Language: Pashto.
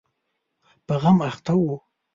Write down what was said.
په غم اخته و.